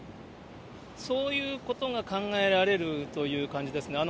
そういうことが考えられるという感じですね。